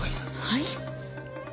はい？